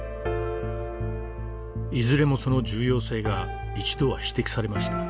いずれもその重要性が一度は指摘されました。